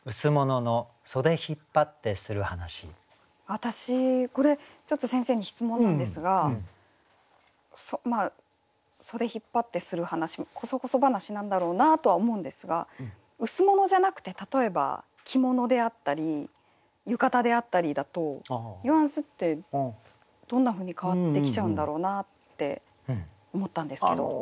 私これちょっと先生に質問なんですが「袖引つ張つてする話」こそこそ話なんだろうなとは思うんですが羅じゃなくて例えば着物であったり浴衣であったりだとニュアンスってどんなふうに変わってきちゃうんだろうなって思ったんですけど。